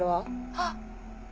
あっ。